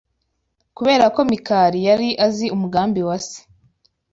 Kubera ko Mikali yari azi umugambi wa se